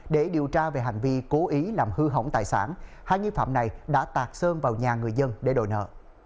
để điều tra về hành vi cố ý làm hư hỏng tài sản hai nghi phạm này đã tạc sơn vào nhà người dân để đổi nợ